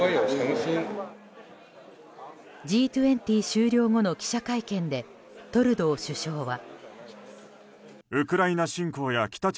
Ｇ２０終了後の記者会見でトルドー首相は。